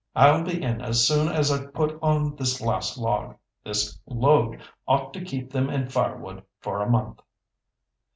I'll be in as soon as I've put on this last log. This load ought to keep them in firewood for a month."